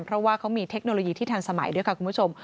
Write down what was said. เพราะว่าเขามีเทคโนโลยีที่ทันสมัยด้วยค่ะคุณผู้ชม